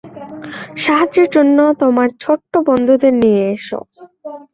সাহায্যের জন্য তোমার ছোট্ট বন্ধুদের নিয়ে এসো।